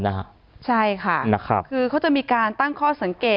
ส่วนขวาจอเป็นลายมือของครูเอ็มซึ่งไม่เหมือนกัน